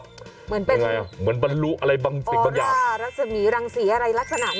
เหมือนเป็นอ๋อป้ารัฒนีรังศรีอะไรลักษณะนั้นเนี่ย